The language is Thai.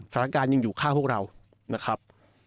สถานการณ์ยังอยู่ข้างพวกเรานะครับ